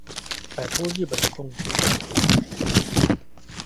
擺脫日本的控制